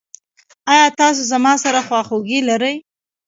ایا تاسو زما سره خواخوږي لرئ؟